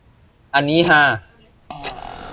อันนี้ฮา